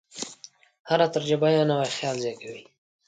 هره تجربه یو نوی خیال زېږوي.